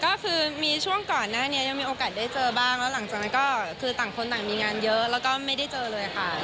ก็คือมีช่วงก่อนหน้านี้ยังมีโอกาสได้เจอบ้างแล้วหลังจากนั้นก็คือต่างคนต่างมีงานเยอะแล้วก็ไม่ได้เจอเลยค่ะ